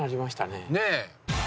ねえ。